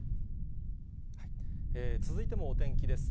続いてもお天気です。